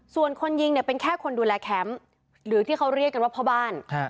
ส่วนคนยิงเนี่ยเป็นแค่คนดูแลแคมป์หรือที่เขาเรียกกันว่าพ่อบ้าน